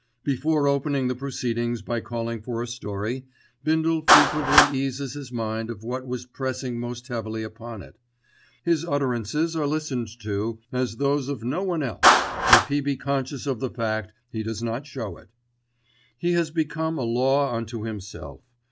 Before opening the proceedings by calling for the story, Bindle frequently eases his mind of what was pressing most heavily upon it. His utterances are listened to as are those of no one else. If he be conscious of the fact he does not show it. He has become a law unto himself.